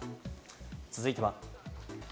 続いては。